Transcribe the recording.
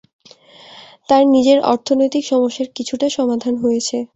তাঁর নিজের অর্থনৈতিক সমস্যার কিছুটা সমাধান হয়েছে।